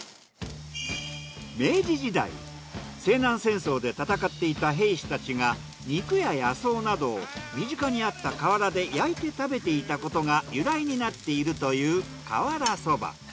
明治時代西南戦争で戦っていた兵士たちが肉や野草などを身近にあった瓦で焼いて食べていたことが由来になっているという瓦そば。